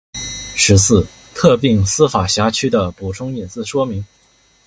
十四、特定司法辖区的补充隐私声明